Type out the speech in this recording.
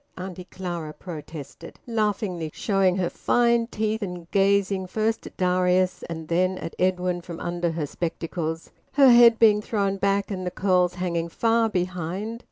Auntie Clara protested, laughingly showing her fine teeth and gazing first at Darius, and then at Edwin, from under her spectacles, her head being thrown back and the curls hanging far behind.